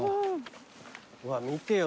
うわ見てよ。